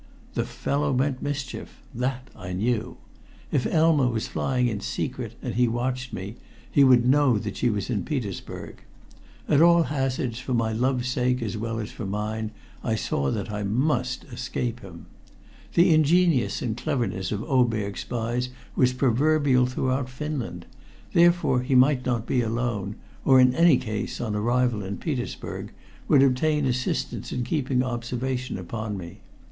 The fellow meant mischief that I knew. If Elma was flying in secret and he watched me, he would know that she was in Petersburg. At all hazards, for my love's sake as well as for mine, I saw that I must escape him. The ingeniousness and cleverness of Oberg's spies was proverbial throughout Finland, therefore he might not be alone, or in any case, on arrival in Petersburg would obtain assistance in keeping observation upon me.